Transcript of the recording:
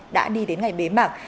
đã đi đến ngày bế mạng